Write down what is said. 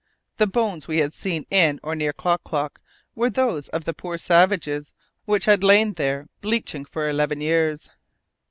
The bones we had seen in or near Klock Klock were those of the poor savages, which had lain there bleaching for eleven years!